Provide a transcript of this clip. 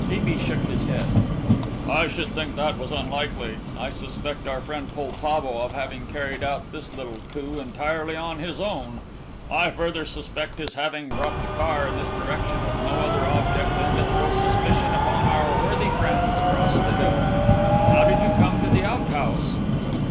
T. B. shook his head. "I should think that was unlikely. I suspect our friend Poltavo of having carried out this little coup entirely on his own. I further suspect his having brought the car in this direction with no other object than to throw suspicion upon our worthy friends across the hill and how did you come to the outhouse?"